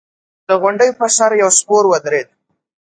د غونډۍ پر سر يو سپور ودرېد.